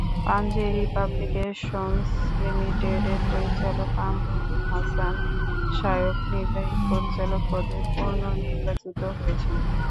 Panjeree publications লিমিটেডের পরিচালক কামরুল হাসান শায়ক নির্বাহী পরিচালক পদে পুনর্নির্বাচিত হয়েছেন।